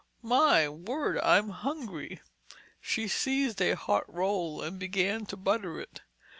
"My word, I'm hungry!" She seized a hot roll and began to butter it.